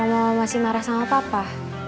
apa mama masih marah sama papa